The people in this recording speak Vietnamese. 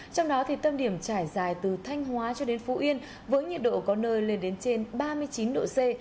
trong đó tâm điểm trải dài từ thanh hóa cho đến phú yên với nhiệt độ có nơi lên đến trên ba mươi chín độ c